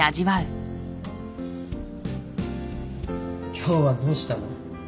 今日はどうしたの？